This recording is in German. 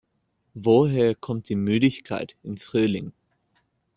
Woher kommt die Müdigkeit im Frühling?